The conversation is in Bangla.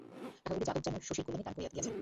টাকাগুলি যাদব যেন শশীর কল্যাণেই দান করিয়া গিয়াছেন।